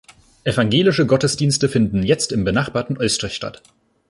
Evangelische Gottesdienste finden jetzt im benachbarten Oestrich statt.